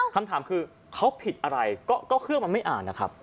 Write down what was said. คำถามคือเขาผิดอะไรก็เครื่องมันไม่อ่านนะครับ